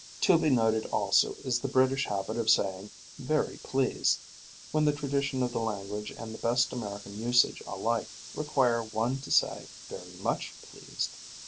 To be noted also is the British habit of saying "very pleased," when the tradition of the language and the best American usage alike require one to say "very much pleased."